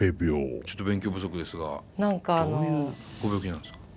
ちょっと勉強不足ですがどういうご病気なんですか？